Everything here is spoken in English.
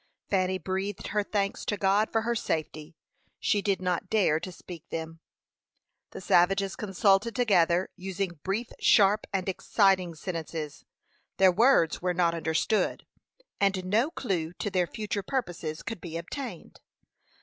Fanny breathed her thanks to God for her safety she did not dare to speak them. The savages consulted together, using brief, sharp, and exciting sentences. Their words were not understood, and no clew to their future purposes could be obtained.